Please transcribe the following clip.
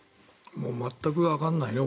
全くわからないね。